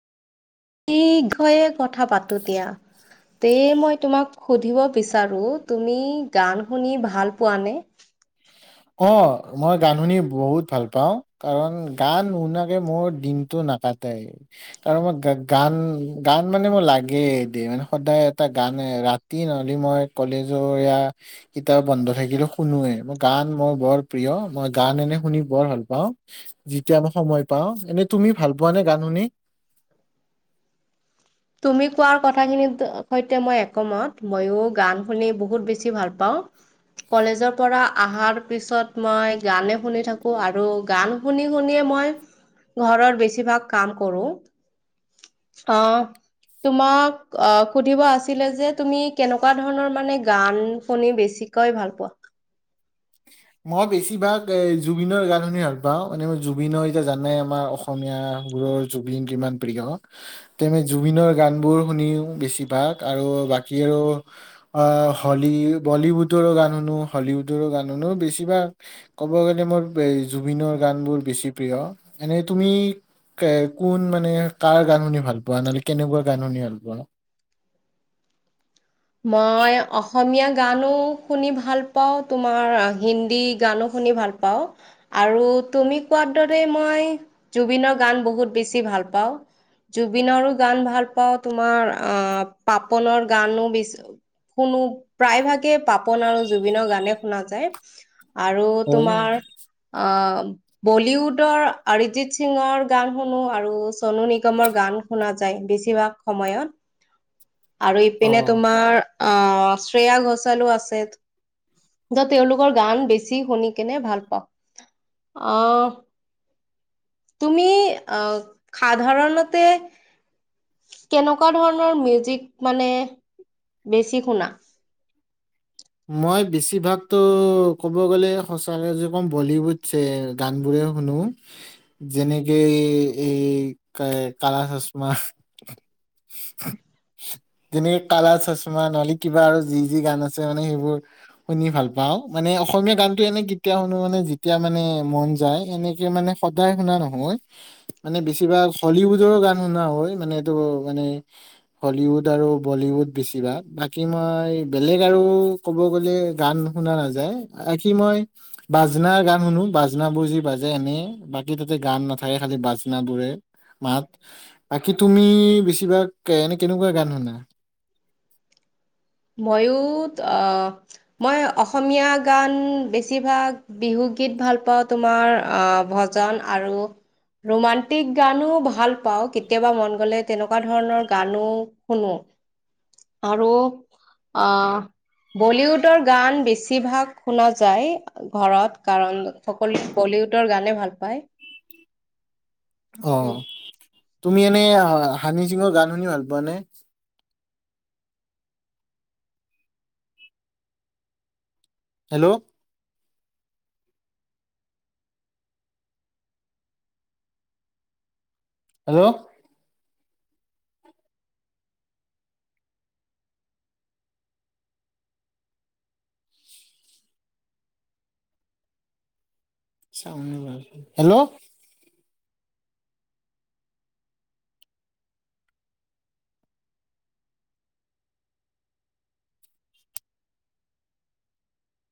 [unintelligible] কথা পাতো দি। তে মই তোমাক সুধিব বিচাৰোঁ তুমি গান শুনি ভাল পোৱানে? অ', মই গান শুনি বহুত ভাল পাওঁ, কাৰণ গান নুশুনাকৈ মোৰ দিনটো নাকা টেই। তাৰমানে গা গান গান মানে মোৰ লাগেই এতিয়া মানে সদায় এটা গান ৰাত তি নহ'লে মই কলেজৰ এয়া কিতা বন্ধ থাকিলে শুনোৱে ম গান মোৰ বৰ প্ৰিয়, মই গান এনে শুনি বৰ ভাল পাওঁ যেতিয়া মই সময় পাওঁ। এনে তুমি ভাল পোৱা নে গান শুনি? তুমি কোৱাৰ কথাখিনিৰ সৈতে মই একমত। ময়ো গান শুনি বহুত বেছি ভাল পাওঁ। কলেজৰ পৰা অহাৰ পিছত মই গানে শুনি থাকো। আৰু গান শুনি শুনিয়ে মই ঘৰ বেছিভাগ কাম কৰোঁ। অ'। তোমাক অ' সুধিব আছিলে যে তুমি কেনেকুৱা ধৰণৰ মানে গান শুনি বেছিক কৈ ভাল পোৱা? [inaudible] মই বেছিভাগ এ জুবিনৰ গান শুনি ভাল পাওঁ। মানে মই জুবিনৰ এতিয়া জানাই আমাৰ অসম অসমীয়াবোৰৰ জুবিন কিমান প্ৰিয়। এতিয়া আমি জুবিনৰ গান বোৰ শুনিও বেছি ভাগ আৰু বাকী আৰু অ', হলী বলীউডৰো গান শুনো হলীউডৰো গান শুনো। বেছিভাগ ক'ব গ'লে মোৰ জুবিনৰ গান বোৰ বেছি প্ৰিয়। এনে তুমি কে কোন মানে কাৰ গান শুনি ভাল পোৱা? নহ'লে কেনেকুৱা গান শুনি ভাল পোৱানো? মই অসমীয়া গানো শুনি ভাল পাওঁ তোমাৰ হিন্দী গানো শুনি ভাল পাওঁ। আৰু তুমি কোৱাৰ দৰেই মই জুবিনৰ গান বহুত বেছি ভাল পাওঁ। জুবিনৰো গান ভাল পাওঁ তোমাৰ আহ পাপনৰ গানো বেছি শুনো। প্ৰায় ভাগে পাপন আৰু জুবিনৰ গানে শুনা যায়। আৰু হয় তোমাৰ অ' বলীউডৰ আৰিজিত সিঙৰ গান শুনো আৰু চনু নিগমৰ গান শুনা যায় বেছিভাগ সময়ত। আৰু ইপিনে অ তোমাৰ আহ শ্ৰেয়া ঘোছালো আছে। য তেওঁলোকৰ গান বেছি শুনি কেনে ভাল পাওঁ। অ'। তুমি আহ সাধাৰণতে কেনেকুৱা ধৰণৰ মিউজিক মানে বেছি শুনা? মই বেছিভাগতো ক'ব গ'লে সচাকে যে মই বলিউড যে গান বোৰে শুনো। যেনেক এই কা কালা চচমা। যেনেকে কালা চচমা নহলে কিবা আৰু যি যি গান আছে। মানে সেইবোৰ শুনি ভাল পাওঁ। মানে অসমীয়া গানটো এনে কেতিয়া শুনো মানে যেতিয়া মানে মন যায়। এনেকে মানে সদায় শুনা নহয়। মানে বেছিভাগ হলীউডৰো গান শুনা হয় মানে এইটো মানে হলীউড আৰু বলীউড বেছিভাগ বাকী মই বেলেগ আৰু ক'ব গ'লে গান শুনা নাযায়। বাকী মই বাজনাৰ গান শুনো বাজনা বোৰ। যি বাজে এনে বাকী তাতে গান নাথাকে খালি বাজনা বোৰে। মাত বাকী তুমি বেছিভাগ এনে কেনেকুৱা গান শুনা? ময়ো মই অসমীয়া গান বেছিভাগ বিহুগীত ভাল পাওঁ তোমাৰ অ' ভজন আৰু ৰোমণ্টিক গানো ভাল পাওঁ কেতিয়াবা মন গ'লে তেনেকুৱা ধৰণৰ গানো শুনো। আৰু অ' বলীউডৰ গান বেছিভাগ শুনা যায়। ঘৰত কাৰণ সকলোৱে বলীউডৰ গানে ভাল পায়। অ'। তুমি এনে হানি সিঙৰ গান শুনি ভাল পোৱা নে? হেল্ল'। হেল্ল'। হেল্ল'।